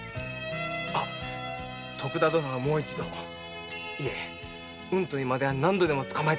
あッ徳田殿はもう一度いえうんと言うまでは何度でもつかまえて説得します。